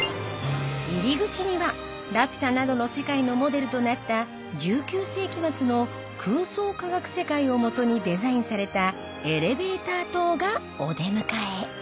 入り口には『ラピュタ』などの世界のモデルとなった１９世紀末の空想科学世界をもとにデザインされたエレベーター塔がお出迎え